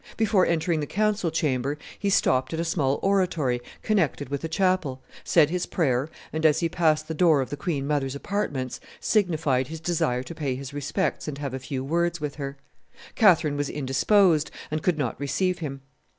Before entering the council chamber, he stopped at a small oratory connected with the chapel, said his prayer, and as he passed the door of the queen mother's apartments, signified his desire to pay his respects and have a few words with her. Catherine was indisposed, and could not receive him.